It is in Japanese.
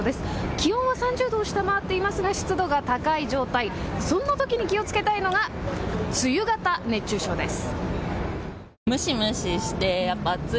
気温も３０度を下回っていますが湿度が高い状態、そんなときに気をつけたいのが梅雨型熱中症です。